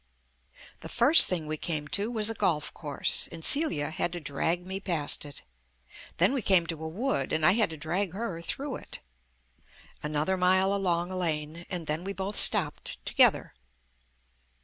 The first thing we came to was a golf course, and Celia had to drag me past it. Then we came to a wood, and I had to drag her through it. Another mile along a lane, and then we both stopped together.